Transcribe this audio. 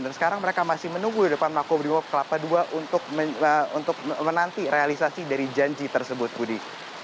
dan sekarang mereka masih menunggu di depan mako brimob kelapa dua untuk menanti realisasi dari janji tersebut budi